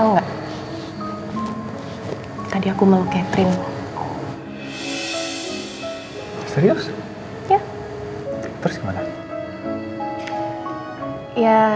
udah kamu tenang aja ya